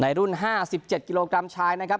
รุ่น๕๗กิโลกรัมชายนะครับ